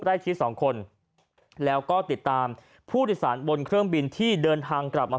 ใกล้ชิดสองคนแล้วก็ติดตามผู้โดยสารบนเครื่องบินที่เดินทางกลับมา